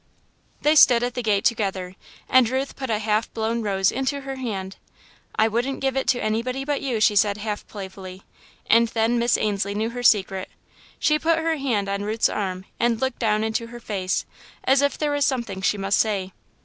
They stood at the gate together, and Ruth put a half blown rose into her hand. "I wouldn't give it to anybody but you," she said, half playfully, and then Miss Ainslie knew her secret. She put her hand on Ruth's arm and looked down into her face, as if there was something she must say.